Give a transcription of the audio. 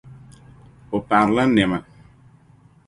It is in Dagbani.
O paɣirila nyɛma.